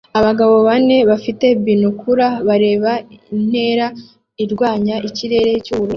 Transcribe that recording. Abagabo bane bafite binokula bareba intera irwanya ikirere cyubururu